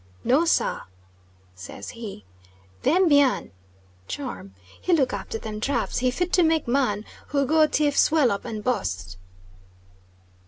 "No, sah," says he, "them bian (charm) he look after them traps, he fit to make man who go tief swell up and bust."